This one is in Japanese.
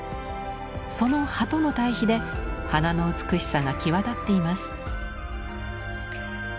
その葉との対比で花の美しさが際立っています。